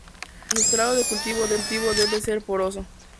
El sustrato de cultivo debe ser poroso.